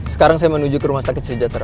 sekarang saya menuju ke rumah sakit sejahtera